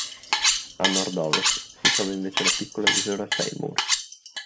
A nord-ovest si trova invece la piccola isola Seymour.